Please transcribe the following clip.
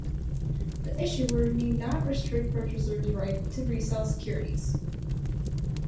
The issuer need not restrict purchaser's right to resell securities.